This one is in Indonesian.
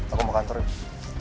aku mau kantor ya